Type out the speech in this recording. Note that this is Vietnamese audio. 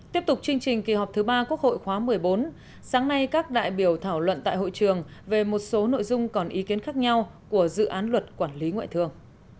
tiếp tục chương trình kỳ họp thứ ba quốc hội khóa một mươi bốn sáng nay các đại biểu thảo luận tại hội trường về một số nội dung còn ý kiến khác nhau của dự án luật quản lý ngoại thương